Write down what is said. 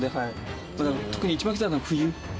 特に一番きついのは冬。